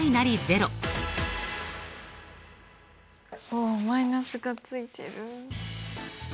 おマイナスが付いてる。